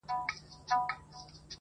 ډېر مرغان سوه د جرګې مخي ته وړاندي!